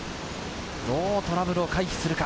どうトラブルを回避するか？